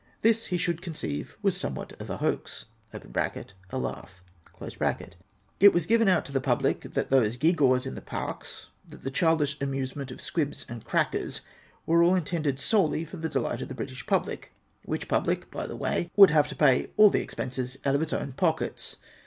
This he should conceive Avas somewhat of a hoax (« laugh). It was given out to the public that those gew gaws in the parks, that the childish amusement of squibs and crackers, were all intended solely for the delight of the British public, which public, by the way, would have to pay all the expenses out of its own pockets.